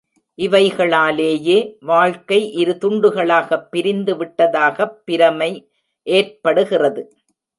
இவைகளாலேயே வாழ்க்கை இரு துண்டுகளாகப் பிரிந்து விட்டதாகப் பிரமை ஏற்படுகிறது.